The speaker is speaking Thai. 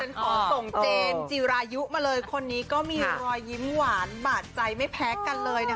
ขอส่งเจมส์จีรายุมาเลยคนนี้ก็มีรอยยิ้มหวานบาดใจไม่แพ้กันเลยนะคะ